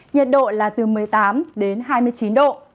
nhiệt độ là từ một mươi tám đến hai mươi chín độ